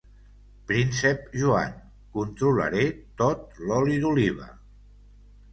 Príncep Joan: Controlaré tot l'oli d'oliva!